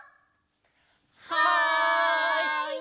はい！